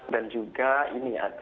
dan juga ini ada